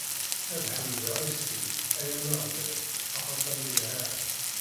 Ad ḥemdeɣ isem-ik, ay Ameɣlal, axaṭer ilha.